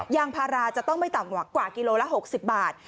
ยางพาราจะต้องไม่ต่ำกว่ากิโลละ๖๐บาท